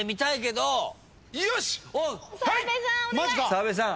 澤部さん